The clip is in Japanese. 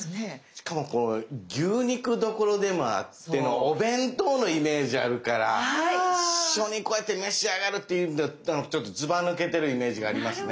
しかも牛肉どころでもあってのお弁当のイメージあるから一緒にこうやって召し上がるっていうんだったらちょっとずばぬけてるイメージがありますね。